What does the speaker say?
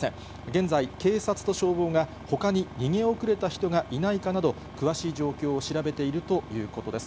現在、警察と消防がほかに逃げ遅れた人がいないかなど、詳しい状況を調べているということです。